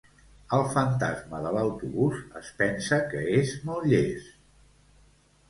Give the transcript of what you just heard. El fantasma de l'autobús es pensa que és molt llest